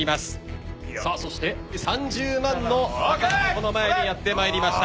さあそして３０万の宝箱の前にやってまいりました。